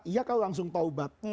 ya kalau langsung taubat